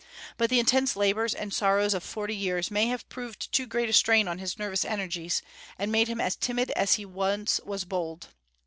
But the intense labors and sorrows of forty years may have proved too great a strain on his nervous energies, and made him as timid as he once was bold.